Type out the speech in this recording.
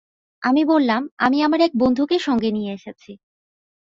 আমি বললাম, আমি আমার এক বন্ধুকে সঙ্গে নিয়ে এসেছি।